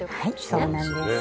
はいそうなんです。